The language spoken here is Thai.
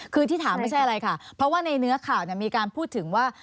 คือที่ถามไม่ใช่อะไรค่ะเพราะว่าในเนื้อข่าวมีการพูดถึงว่า